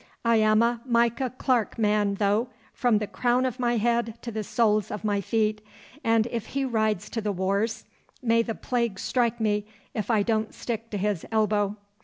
I am a Micah Clarke man, though, from the crown of my head to the soles of my feet; and if he rides to the wars, may the plague strike me if I don't stick to his elbow!